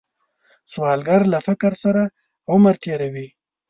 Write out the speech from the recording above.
سوالګر له فقر سره عمر تیر کړی